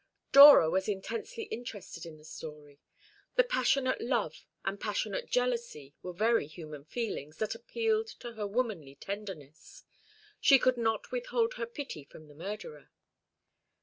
Dora was intensely interested in the story. The passionate love and passionate jealousy were very human feelings that appealed to her womanly tenderness. She could not withhold her pity from the murderer.